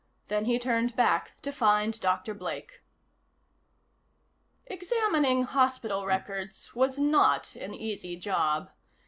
Then he turned back to find Dr. Blake. Examining hospital records was not an easy job.